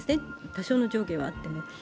多少の上下はあっても。